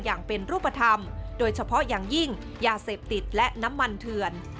อย่างเป็นรูปธรรมโดยเฉพาะอย่างยิ่งยาเสพติดและน้ำมันเถื่อน